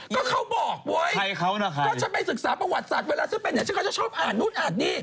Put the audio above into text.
ก็เขาบอกเว้ยก็จะไปศึกษาประวัติศัตริ์เวลาจะเป็นไม่ได้คนจะชอบอ่านนู้นอ่านนี่